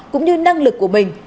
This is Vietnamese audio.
cũng như năng lực của mình